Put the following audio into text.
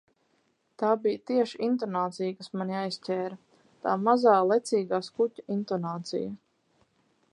Tā bija tieši intonācija, kas mani aizķēra, tā mazā, lecīgā skuķa intonācija!